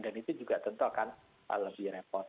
dan itu juga tentu akan lebih repot